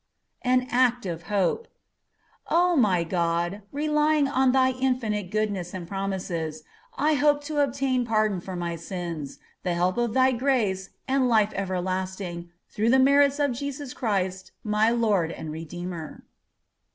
AN ACT OF HOPE O my God! relying on Thy infinite goodness and promises, I hope to obtain pardon of my sins, the help of Thy grace, and life everlasting, through the merits of Jesus Christ, my Lord and Redeemer.